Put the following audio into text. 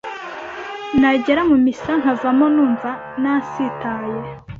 nagera mu misa nkavamo numva nasitaye